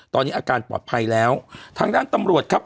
ตอนนี้อาการปลอดภัยแล้วทางด้านตำรวจครับ